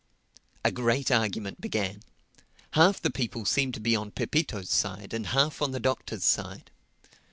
A great argument began. Half the people seemed to be on Pepito's side and half on the Doctor's side.